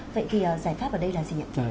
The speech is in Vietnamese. vậy thì giải pháp ở đây là gì ạ